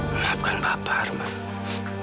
maafkan bapak arman